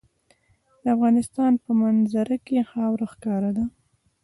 د افغانستان په منظره کې خاوره ښکاره ده.